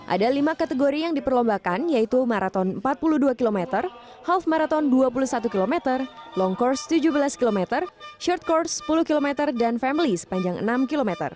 ada lima kategori yang diperlombakan yaitu maraton empat puluh dua km half marathon dua puluh satu km long course tujuh belas km short course sepuluh km dan family sepanjang enam km